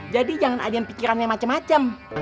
jadi jangan ada yang pikirannya macem macem